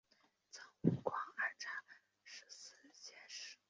赠湖广按察使司佥事。